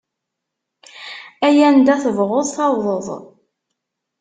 Ay anda tebɣuḍ tawḍeḍ.